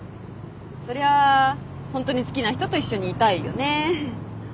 ホントに好きな人と一緒にいたいよね。